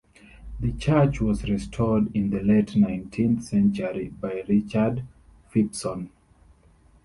The church was restored in the late nineteenth century by Richard Phipson.